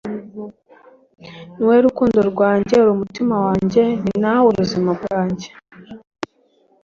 ni wowe rukundo rwanjye, uri umutima wanjye ni nawe buzima bwanjye